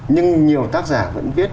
nhưng nhiều tác giả vẫn viết